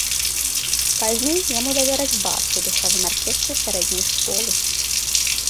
Пазней яму давераць бас у духавым аркестры сярэдняй школы.